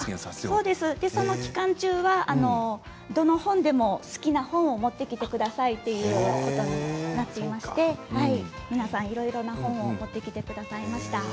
この期間中はどの本でも好きな本を持ってきてくださいということを言って皆さん、いろいろな本を持ってきてくださいました。